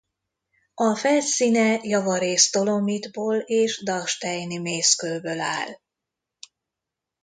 A felszíne javarészt dolomitból és dachsteini mészkőből áll.